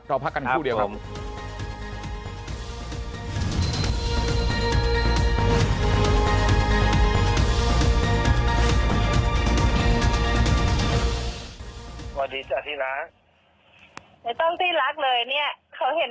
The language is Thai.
รอพักกันคู่เดี๋ยวครับครับผม